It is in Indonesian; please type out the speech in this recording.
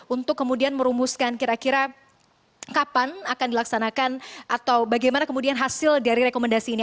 untuk kemudian merumuskan kira kira kapan akan dilaksanakan atau bagaimana kemudian hasil dari rekomendasi ini